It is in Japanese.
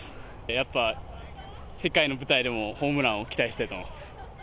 やっぱ、世界の舞台でもホームランを期待したいと思います。